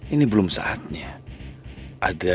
ini aku udah di makam mami aku